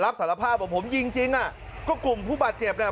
รับสารพ่าบอกผมยิงจริงอ่ะก็กลุ่มผู้บาดเจ็บเนี้ย